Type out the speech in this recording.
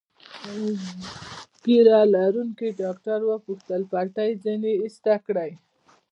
ږیره لرونکي ډاکټر وپوښتل: پټۍ ځینې ایسته کړي؟